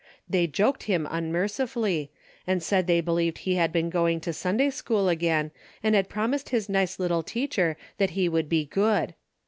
They joked him unmercifully, and said they believed he had been going to Sunday school again, and had promised his nice little teacher that he would be good.